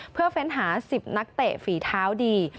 เพื่อเฟ้นหา๑๐นักเตะฝีเท้าดี